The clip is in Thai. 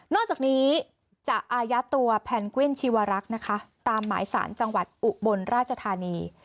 จากนี้จะอายัดตัวแพนกวินชีวรักษ์นะคะตามหมายสารจังหวัดอุบลราชธานี